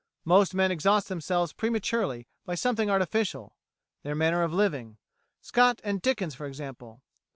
Most men exhaust themselves prematurely by something artificial their manner of living Scott and Dickens for example.